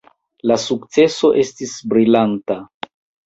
La sukceso estis brilanta.